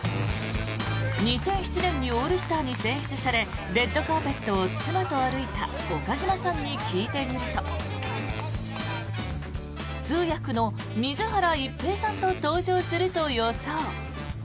２００７年にオールスターに選出されレッドカーペットを妻と歩いた岡島さんに聞いてみると通訳の水原一平さんと登場すると予想。